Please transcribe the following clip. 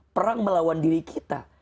perang melawan diri kita